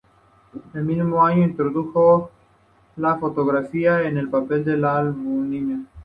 Ese mismo año introdujo la fotografía en papel a la albúmina.